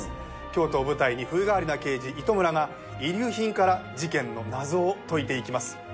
京都を舞台に風変わりな刑事糸村が遺留品から事件の謎を解いていきます。